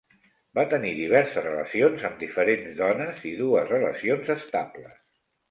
Va tenir diverses relacions amb diferents dones i dues relacions estables.